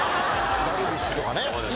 ダルビッシュとかね。